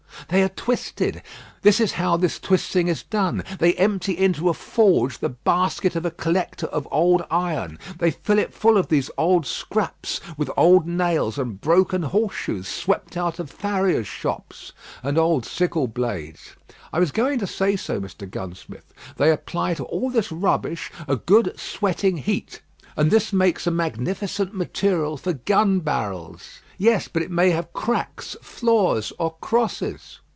"They are twisted. This is how this twisting is done. They empty into a forge the basket of a collector of old iron. They fill it full of these old scraps, with old nails, and broken horseshoes swept out of farriers' shops." "And old sickle blades." "I was going to say so, Mr. Gunsmith. They apply to all this rubbish a good sweating heat, and this makes a magnificent material for gun barrels." "Yes; but it may have cracks, flaws, or crosses."